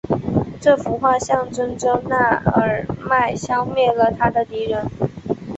这幅画象征着那尔迈消灭了他的敌人。